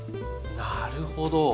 なるほど。